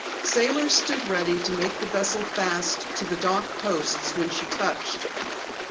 Sailors stood ready to make the vessel fast to the dock posts when she touched.